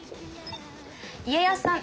家康さん！